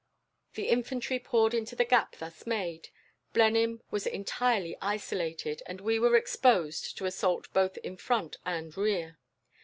"The infantry poured into the gap thus made, Blenheim was entirely isolated, and we were exposed to assault both in front and rear.